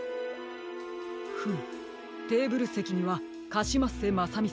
フムテーブルせきにはカシマッセまさみさん